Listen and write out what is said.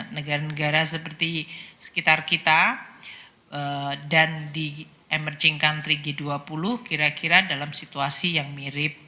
negara negara seperti sekitar kita dan di emerging country g dua puluh kira kira dalam situasi yang mirip